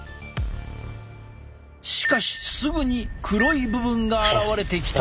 しかしすぐに黒い部分が現れてきた。